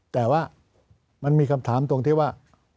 แต่ว่ามันมีคำถามตรงที่ว่า